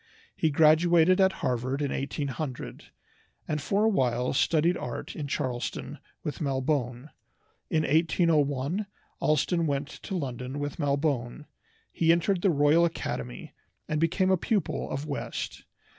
He graduated at Harvard in 1800, and for awhile studied art in Charlestown with Malbone. In 1801 Allston went to London with Malbone. He entered the Royal Academy, and became a pupil of West.